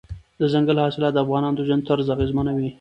دځنګل حاصلات د افغانانو د ژوند طرز اغېزمنوي.